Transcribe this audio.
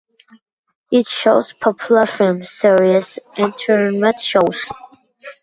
It shows popular films, series, entertainment shows.